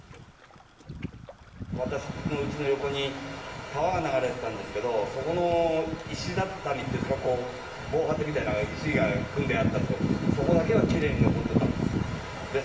私のうちの横に川が流れてたんですけど、そこの石畳ですか、防波堤みたいな石が組んであった所、そこだけはきれいに残ってたんです。